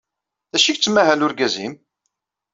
D acu ay yettmahal urgaz-nnem?